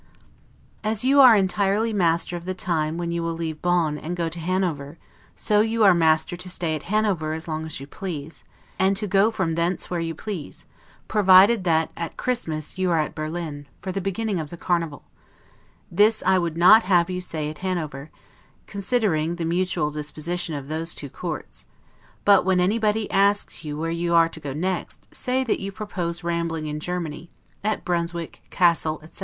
As you are entirely master of the time when you will leave Bonn and go to Hanover, so are you master to stay at Hanover as long as you please, and to go from thence where you please; provided that at Christmas you are at Berlin, for the beginning of the Carnival: this I would not have you say at Hanover, considering the mutual disposition of those two courts; but when anybody asks you where you are to go next, say that you propose rambling in Germany, at Brunswick, Cassel, etc.